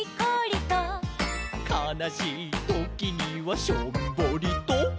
「かなしいときにはしょんぼりと」